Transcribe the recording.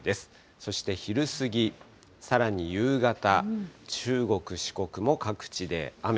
そして昼過ぎ、さらに夕方、中国、四国も各地で雨。